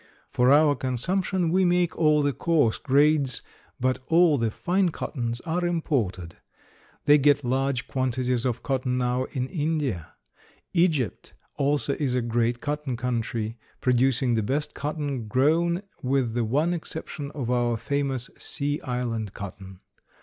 For our consumption we make all the coarse grades, but all the fine cottons are imported. They get large quantities of cotton now in India. Egypt also is a great cotton country, producing the best cotton grown with the one exception of our famous sea island cotton.